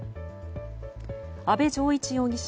安部丈一容疑者